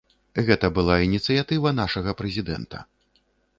Гэта была ініцыятыва нашага прэзідэнта.